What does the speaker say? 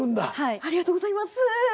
ありがとうございます。